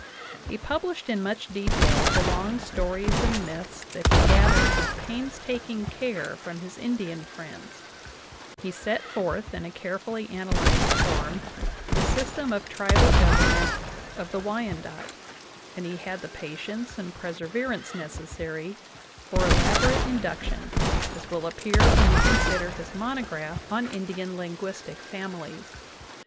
He published in much detail the long stories and myths that he gathered with painstaking care from his Indian friends; he set forth in a carefully analyzed form the system of tribal government of the Wyandotte, and he had the patience and perseverance necessary for elaborate induction, as will appear when we consider his monograph on Indian lin 66 JOHN WESLEY POWEXL DAVIS guistic families.